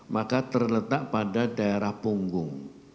maka terletak pada daerah punggung